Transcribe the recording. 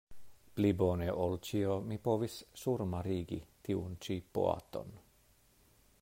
Pli bone ol ĉio mi povis surmarigi tiun-ĉi boaton.